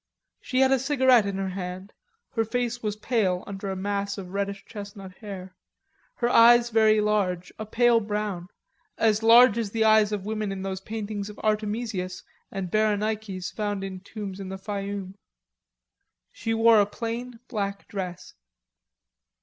She had a cigarette in her hand, her face was pale under a mass of reddish chestnut hair, her eyes very large, a pale brown, as large as the eyes of women in those paintings of Artemisias and Berenikes found in tombs in the Fayum. She wore a plain black dress.